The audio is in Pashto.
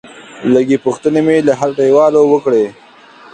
لږې پوښتنې مې له هټيوالو وکړې.